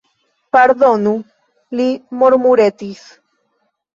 Pardonu, li murmuretis.